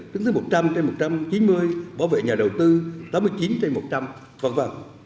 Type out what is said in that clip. tính thứ một trăm linh một trăm chín mươi bảo vệ nhà đầu tư tám mươi chín một trăm linh v v